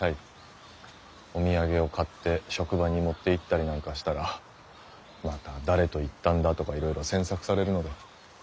お土産を買って職場に持っていったりなんかしたらまた誰と行ったんだとかいろいろ詮索されるので。